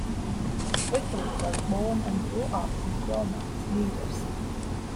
Rickly was born and grew up in Dumont, New Jersey.